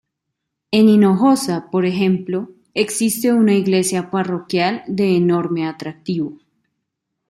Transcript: En Hinojosa, por ejemplo, existe una iglesia parroquial de enorme atractivo.